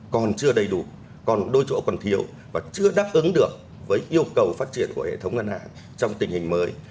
còn chưa đầy đủ còn đôi chỗ còn thiếu và chưa đáp ứng được với yêu cầu phát triển của hệ thống ngân hàng trong tình hình mới